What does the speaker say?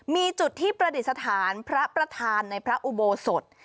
มีจุดที่ประดิษฐานพระประธานในพระอุโบสถ